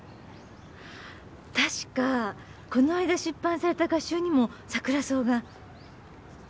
確かこの間出版された画集にもサクラソウが。